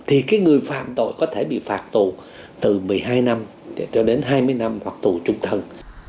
thì cái người phạm tội có thể bị phạt tù từ một mươi hai năm cho đến hai mươi năm hoặc tù trung thân